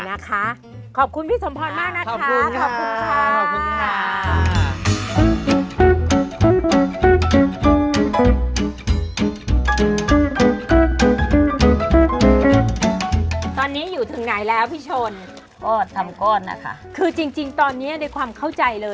นี่นะคะขอบคุณพี่สมพลมากนะคะ